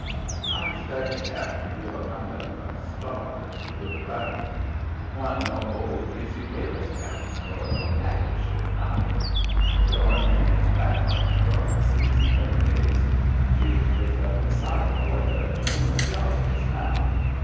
I expect the cap'n give a kind of a start as he looked around. 'Twan't no old greasy whaler's cabin, nor no packet ship neither. There wan't many craft like her on the seas in them days. She was fixed up inside more like a gentleman's yacht is now.